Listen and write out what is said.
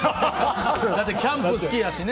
だって、キャンプ好きだしね。